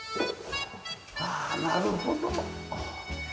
ああなるほど。